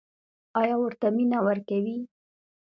ایا ورته مینه ورکوئ؟